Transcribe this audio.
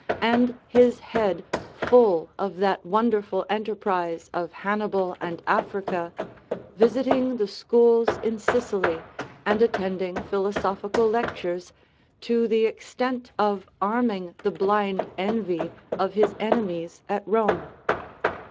And his head full of that wonderful enterprise of Hannibal and Africa, visiting the schools in Sicily, and attending philosophical lectures, to the extent of arming the blind envy of his enemies at Rome.